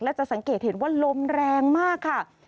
และจะสังเกตเห็นว่าลมแรงมากค่ะ